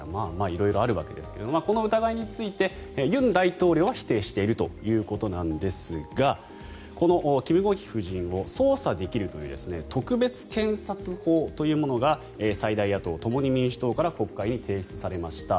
色々あるわけですがこの疑いについて尹大統領は否定しているということなんですがこのキム・ゴンヒ夫人を捜査できるという特別検察法というものが最大野党・共に民主党から国会に提出されました。